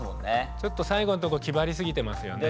ちょっと最後のとこ気張りすぎてますよね。